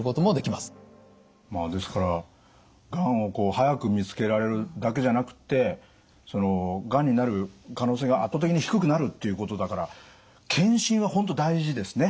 ですからがんを早く見つけられるだけじゃなくってがんになる可能性が圧倒的に低くなるっていうことだから検診はホント大事ですね。